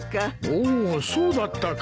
おおそうだったか。